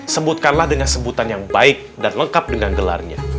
sebutkanlah dengan sebutan yang baik dan lengkap dengan gelarnya